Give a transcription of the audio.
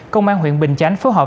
công an huyện bình chánh phối hợp